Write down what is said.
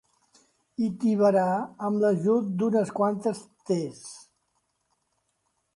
Hi tibarà amb l'ajut d'unes quantes tes.